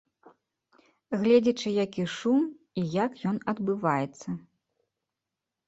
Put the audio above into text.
Гледзячы які шум і як ён адбываецца.